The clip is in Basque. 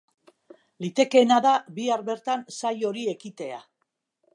Litekeena da bihar bertan saiori ekitea.